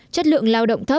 chất lượng lao động thấp